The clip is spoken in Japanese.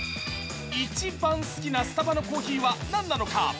１番好きなスタバのコーヒーは何なのか。